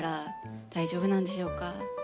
大丈夫なんでしょうか。